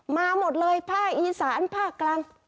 มาหมดเลยภาคอีสานภาคกลาง